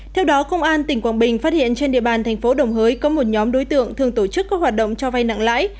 theo đó công an tỉnh quảng bình phát hiện trên địa bàn thành phố đồng hới có một nhóm đối tượng thường tổ chức các hoạt động cho vay nặng lãi